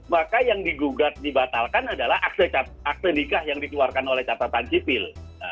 maka yang digugat dibatalkan adalah akte nikah yang dikeluarkan oleh catatan sipil